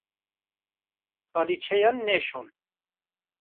Xalîçeyan neşon.